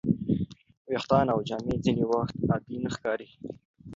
ویښتان او جامې ځینې وخت عادي نه ښکاري.